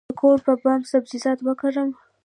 د کور په بام کې سبزیجات وکرم؟